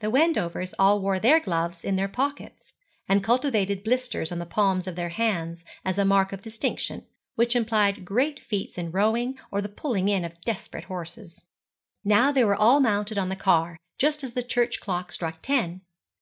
The Wendovers all wore their gloves in their pockets, and cultivated blisters on the palms of their hands, as a mark of distinction, which implied great feats in rowing, or the pulling in of desperate horses. Now they were all mounted on the car, just as the church clock struck ten.